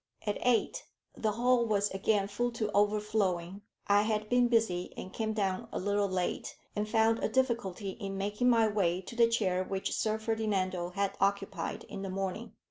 At eight, the hall was again full to overflowing. I had been busy, and came down a little late, and found a difficulty in making my way to the chair which Sir Ferdinando had occupied in the morning.